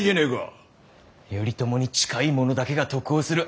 頼朝に近い者だけが得をする。